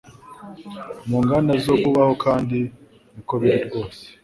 mu nganda zo kubaho kandi niko biri rwose